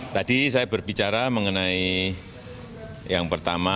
tadi saya berbicara mengenai yang pertama